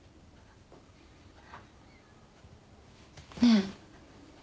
ねえ